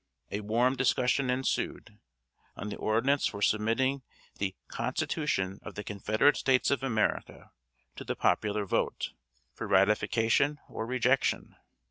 A warm discussion ensued, on the ordinance for submitting the "Constitution of the Confederate States of America" to the popular vote, for ratification or rejection.